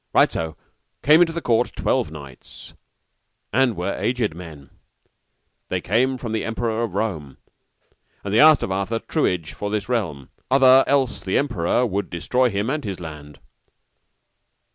Right so came into the court twelve knights, and were aged men, and they came from the Emperor of Rome, and they asked of Arthur truage for this realm, other else the emperor would destroy him and his land.